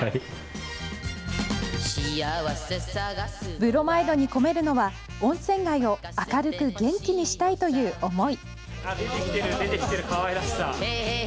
ブロマイドに込めるのは、温泉街を明るく元気にしたいという思い。